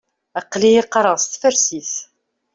Aql-iyi qqareɣ s tfarsit.